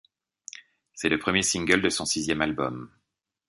C'est le premier single de son sixième album.